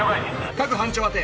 各班長宛て。